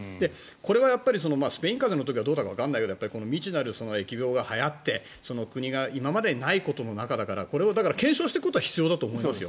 これはスペイン風邪の時はどうだかわからないけど未知なる疫病が流行って国が今までにないことの中だからこれは検証していくことは必要だと思います。